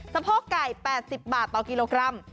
โพกไก่๘๐บาทต่อกิโลกรัม